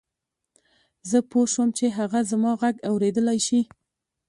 زه پوه شوم چې هغه زما غږ اورېدلای شي.